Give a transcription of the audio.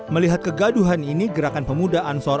melihat kegaduhan ini gerakan pemuda ansor